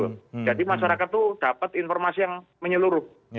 masyarakat itu dapat informasi yang menyeluruh